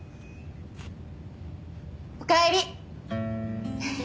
おかえり！